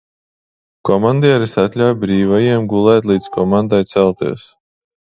"Komandieris atļauj brīvajiem gulēt līdz komandai "celties"."